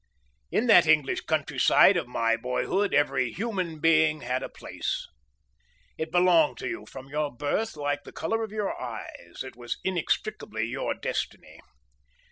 In that English countryside of my boyhood every human being had a "place." It belonged to you from your birth like the colour of your eyes, it was inextricably your destiny.